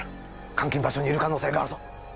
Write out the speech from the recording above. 監禁場所にいる可能性があるぞ。